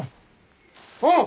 あっ！